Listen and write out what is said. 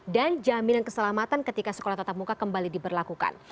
dan jaminan keselamatan ketika sekolah tatap muka kembali diberlakukan